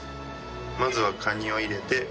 まずはカニを入れて。